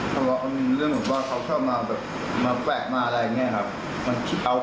ทะเลาะเรื่องเหมือนว่าเขาชอบมาแปะมาอะไรอย่างนี้ครับ